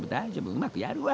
うまくやるわ。